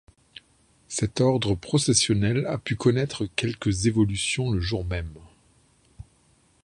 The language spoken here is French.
Cet Ordre processionnel a pu connaître quelques évolutions le jour-même.